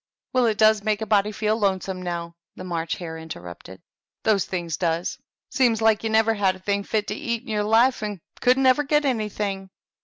" Well, it does make a body feel lonesome now," the March Hare interrupted, " those things does. Seems like you never had a thing fit to eat in your life, and couldn't ever get anything."